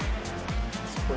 これ。